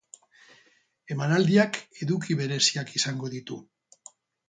Emanaldiak eduki bereziak izango ditu.